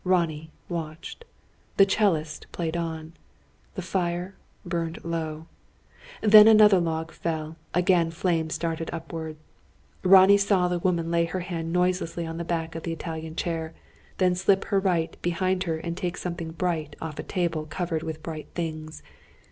Ronnie watched. The 'cellist played on. The fire burned low. Then another log fell. Again flames darted upward. Ronnie saw the woman lay her left hand noiselessly upon the back of the Italian chair, then slip her right behind her and take something bright, off a table covered with bright things.